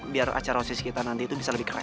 biar acara osis kita nanti itu bisa lebih keren